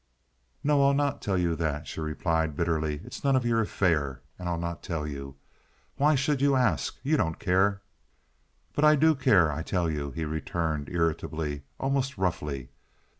"No, I'll not tell you that," she replied, bitterly. "It's none of your affair, and I'll not tell you. Why should you ask? You don't care." "But I do care, I tell you," he returned, irritably, almost roughly.